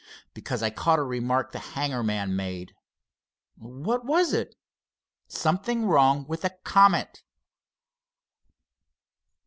"Because I caught a remark the hangar man made." "What was it?" "'Something wrong with the Comet!